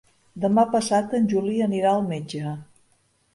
Demà passat en Juli anirà al metge.